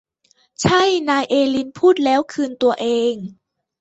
ใช่นายเอลีนพูดแล้วคืนตัวเอง